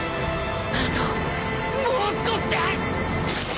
あともう少しで！